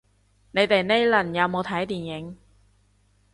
你哋呢輪有冇睇電影